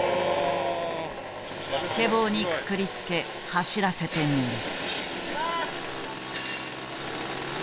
スケボーにくくりつけ走らせてみる。